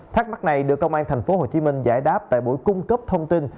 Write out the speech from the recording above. thắc mắc này được công an thành phố hồ chí minh giải đáp tại buổi cung cấp thông tin